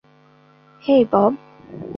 হেই, Bob.